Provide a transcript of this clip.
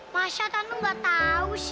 masya tante gak tau sih